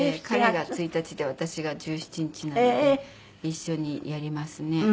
彼が１日で私が１７日なので一緒にやりますね。